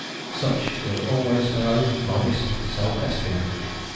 Such was always her own modest self estimate.